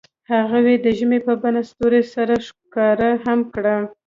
هغوی د ژمنې په بڼه ستوري سره ښکاره هم کړه.